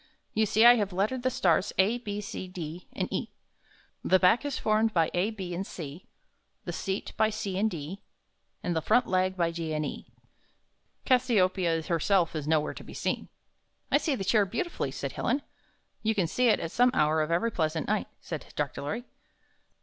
You see I have lettered the stars a, b, c, d, and e. The back is formed by a, b and c, the seat by c and d, and the front leg by d and e. Cassiopeia herself is nowhere to be seen." 55 "I see the chair beautifully/' said Helen. ''You can see it at some hour of every pleasant night," said Dr. Lorry.